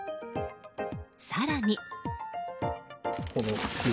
更に。